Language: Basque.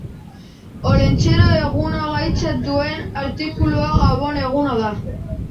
Olentzero eguna gaitzat duen artikulua Gabon eguna da.